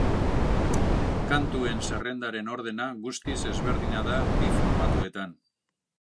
Kantuen zerrendaren ordena guztiz ezberdina da bi formatuetan.